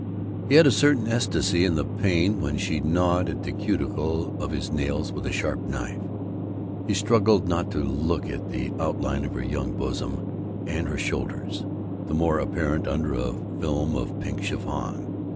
He had a certain ecstasy in the pain when she gnawed at the cuticle of his nails with a sharp knife. He struggled not to look at the outline of her young bosom and her shoulders, the more apparent under a film of pink chiffon.